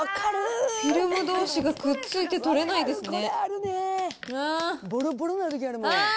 フィルムどうしがくっついて取れないですね。